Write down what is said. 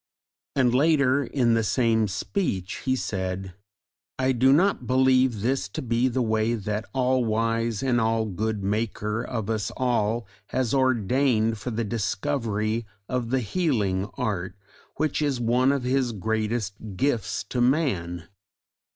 And later in the same speech he said: I do not believe this to be the way that the All wise and All good Maker of us all has ordained for the discovery of the Healing Art which is one of His greatest gifts to man.